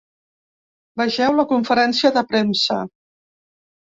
Vegeu la conferència de premsa.